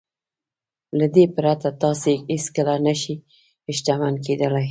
له دې پرته تاسې هېڅکله نه شئ شتمن کېدلای.